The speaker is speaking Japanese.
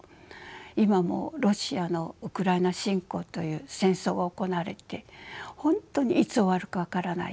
今もロシアのウクライナ侵攻という戦争が行われて本当にいつ終わるか分からない。